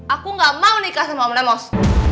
aku gak mau nikah sama om nemos